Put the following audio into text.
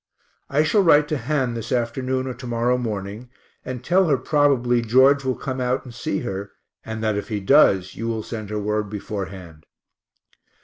I shall write to Han this afternoon or to morrow morning and tell her probably George will come out and see her, and that if he does you will send her word beforehand.